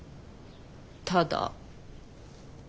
ただ。